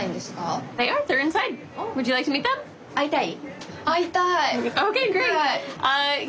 会いたい？